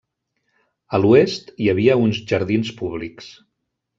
A l'oest hi havia uns jardins públics.